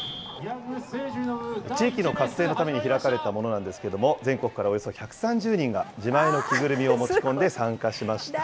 地域の活性のために開かれたものなんですけれども、全国からおよそ１３０人が、自前の着ぐるみを大丈夫かな。